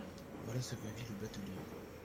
Voilà ce que vit le batelier.